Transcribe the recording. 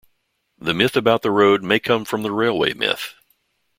The myth about the road may come from the railway myth.